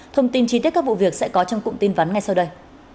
thông tin trí tích các vụ việc sẽ có trong cụm tin vắn ngay sau đây